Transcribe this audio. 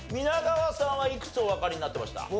皆川さんはいくつおわかりになってました？